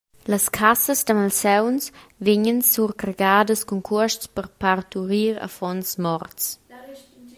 Las cassas da malsauns vegnan surcargadas cun cuosts per parturir affons morts.